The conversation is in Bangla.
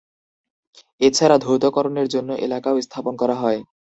এছাড়া, ধৌতকরণের জন্য এলাকাও স্থাপন করা হয়।